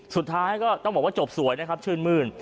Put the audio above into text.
สุดท้ายก็ต้องบอกว่าจบสวยนะครับชื่นมื้น